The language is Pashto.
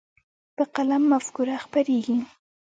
په قلم مفکوره خپرېږي.